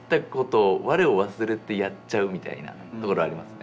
みたいなところありますね。